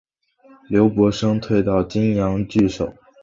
刘伯升退到棘阳据守。